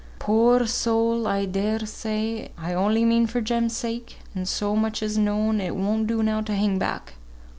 "Poor soul! I dare say. I only mean for Jem's sake; as so much is known, it won't do now to hang back.